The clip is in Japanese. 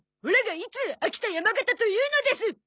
オラがいつ飽きた山形というのです！